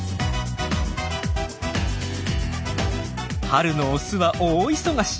春のオスは大忙し。